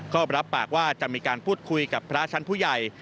ก็รับปากว่าจะมีการพูดคุยกับพระชั้นผู้ใหญ่